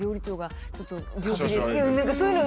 何かそういうの。